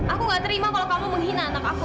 aku gak terima kalau kamu menghina anak aku